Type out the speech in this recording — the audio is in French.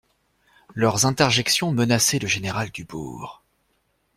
Leurs interjections menaçaient le général Dubourg.